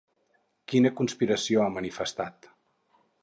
Quina conspiració ha manifestat?